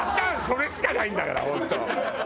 それしかないんだから本当。